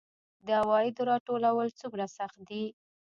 د عوایدو راټولول څومره سخت دي؟